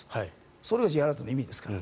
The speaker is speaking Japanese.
それがＪアラートの意味ですから。